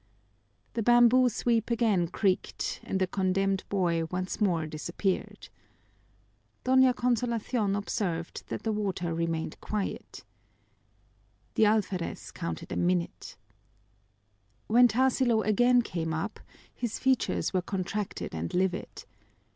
The bamboo sweep again creaked, and the condemned boy once more disappeared. Doña Consolacion observed that the water remained quiet. The alferez counted a minute. When Tarsilo again came up his features were contracted and livid.